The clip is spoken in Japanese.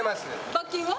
罰金は？